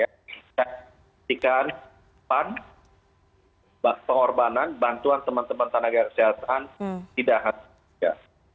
kita ketika pengorbanan bantuan teman teman tenaga kesehatan tidak hanya itu saja